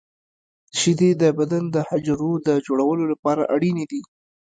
• شیدې د بدن د حجرو د جوړولو لپاره اړینې دي.